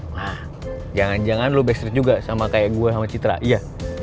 nah jangan jangan lo back street juga sama kayak gue sama citra iya